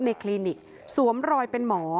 คลินิกสวมรอยเป็นหมอ